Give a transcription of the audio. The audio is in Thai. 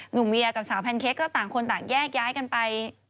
เวียกับสาวแพนเค้กก็ต่างคนต่างแยกย้ายกันไป